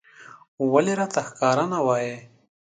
ولې راته ښکاره نه وايې